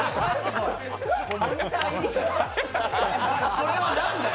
それは何だよ！